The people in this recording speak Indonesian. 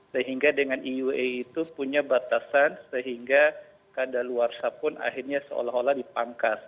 sehingga dengan eua itu punya batasan sehingga keadaan luar sah pun akhirnya seolah olah dipangkas